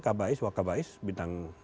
kbais wkbais bintang dua